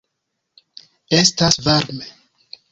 Estas varme.